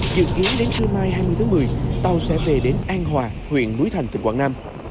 dự kiến đến trưa mai hai mươi tháng một mươi tàu sẽ về đến an hòa huyện núi thành tỉnh quảng nam